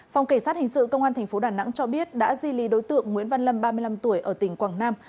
phòng cảnh sát hình sự công an tp đà nẵng cho biết đã di lý đối tượng nguyễn văn lâm ba mươi năm tuổi ở tỉnh quảng nam